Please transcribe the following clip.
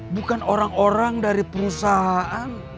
bukan orang orang dari perusahaan